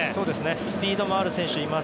スピードがある選手もいます